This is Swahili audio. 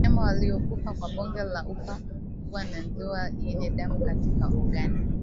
Wanyama waliokufa kwa bonde la ufa huwa na doa yenye damu katika ogani